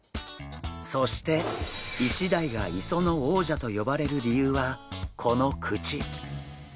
そしてイシダイが磯の王者と呼ばれる理由はこの口！